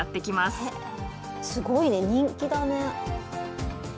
すごいね人気だね。